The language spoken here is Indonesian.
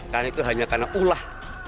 karena itu hanya karena ulah